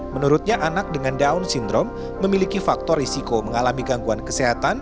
menurutnya anak dengan down syndrome memiliki faktor risiko mengalami gangguan kesehatan